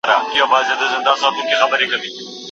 اسلام د هر چا حق په پوره عدل سره ورکوي.